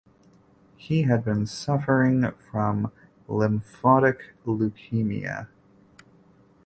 He had been suffering from lymphocytic leukaemia.